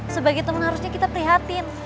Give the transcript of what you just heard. sebagai teman harusnya kita prihatin